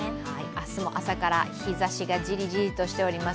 明日も朝から日差しがじりじりとしております。